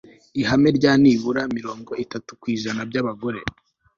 ihame rya nibura mirongo itatu ku ijana by'abagore